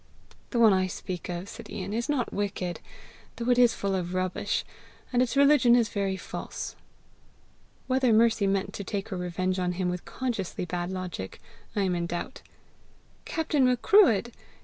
"The one I speak of," said Ian, "is not wicked, though it is full of rubbish, and its religion is very false." Whether Mercy meant to take her revenge on him with consciously bad logic, I am in doubt. "Captain Macruadh!